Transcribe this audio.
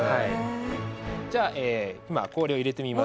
じゃあ今氷を入れてみます。